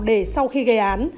để sau khi gây án